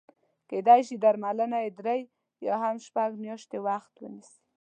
کېدای شي درملنه یې درې یا هم شپږ میاشتې وخت ونیسي.